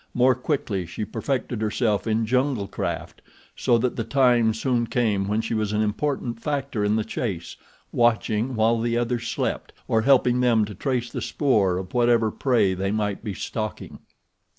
More quickly she perfected herself in jungle craft, so that the time soon came when she was an important factor in the chase, watching while the others slept, or helping them to trace the spoor of whatever prey they might be stalking.